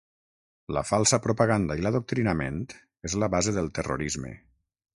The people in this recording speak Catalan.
La falsa propaganda i l'adoctrinament és la base del terrorisme.